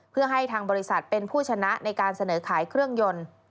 เพื่อให้ทางบริษัทเป็นผู้ชนะในการเสนอขายเครื่องยนต์